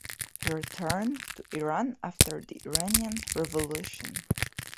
He returned to Iran after the Iranian revolution.